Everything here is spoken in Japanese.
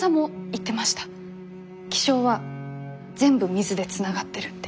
気象は全部水でつながってるって。